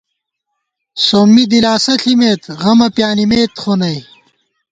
سومّی دِلاسہ ݪِمېت ، غمہ پیانِمېت خو نئ